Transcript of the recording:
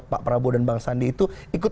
pak prabowo dan bang sandi itu ikut